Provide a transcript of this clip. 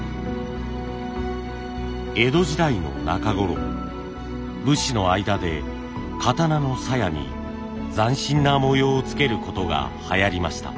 江戸時代の中頃武士の間で刀の鞘に斬新な模様をつけることがはやりました。